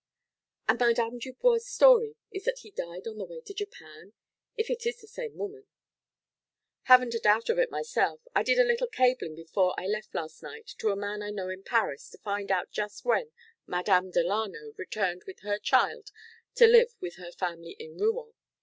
"And Madame Delano's story is that he died on the way to Japan if it is the same woman " "Haven't a doubt of it myself. I did a little cabling before I left last night to a man I know in Paris to find out just when Madame Delano returned with her child to live with her family in Rouen.